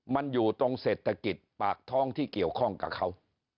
มันอยู่ตรงเศรษฐกิจปากท้องที่เกี่ยวข้องกับเขา